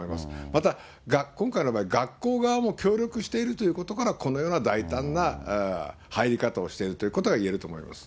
また、今回の場合、学校側も協力しているということから、このような大胆な入り方をしているということが言えると思います。